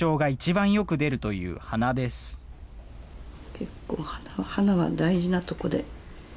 結構鼻は大事なとこで。